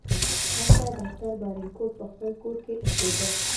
هلته ډاکټر بارنیکوټ په خپل کور کې اوسیده.